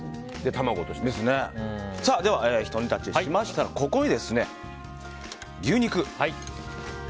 ひと煮立ちしましたらここに牛肉。